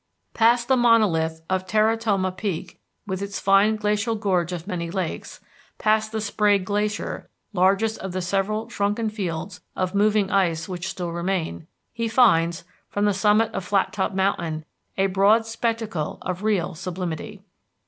Past the monolith of Terra Tomah Peak, with its fine glacial gorge of many lakes, past the Sprague Glacier, largest of the several shrunken fields of moving ice which still remain, he finds, from the summit of Flattop Mountain, a broad spectacle of real sublimity.